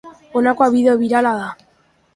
Honakoa bideo birala da.